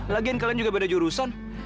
lagian kalian juga beda jurusan